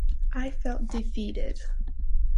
I felt defeated.